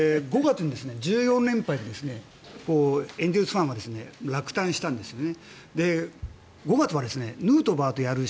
５月、１４連敗でエンゼルスファンは落胆したんですね。